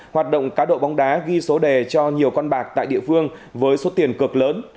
hoạt động cá độ bóng đá ghi số đề cho nhiều con bạc tại địa phương với số tiền cực lớn